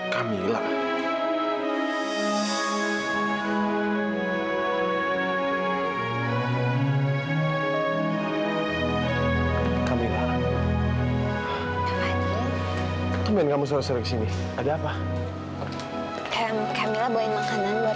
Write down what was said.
kamila bawain makanan buat kakak